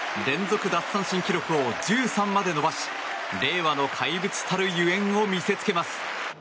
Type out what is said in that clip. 連続奪三振記録を１３まで伸ばし令和の怪物たるゆえんを見せつけます。